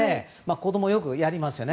子供、よくやりますよね。